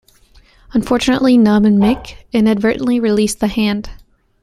Unfortunately Pnub and Mick inadvertently release the hand.